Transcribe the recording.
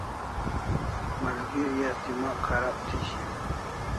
Malgeri as demagh kharab thi shiau